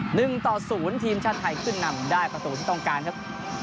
หนึ่งต่อศูนย์ทีมชาติไทยขึ้นนำได้ประตูที่ต้องการครับ